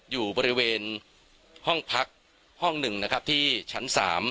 อยู่บริเวณห้องพักห้องหนึ่งนะครับที่ชั้น๓